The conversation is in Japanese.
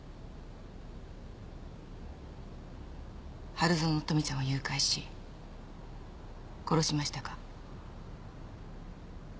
春薗乙女ちゃんを誘拐し殺しましたか？